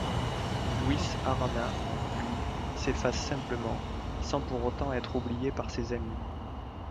Luis Aranha, lui, s’efface simplement, sans pour autant être oublié par ses amis.